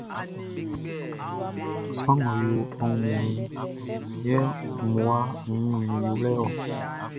Sran ngʼɔ yo aunmuanʼn, yɛ ɔ dun mmua wun i wlɛ-ɔ.